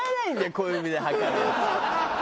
小指で測るやつ。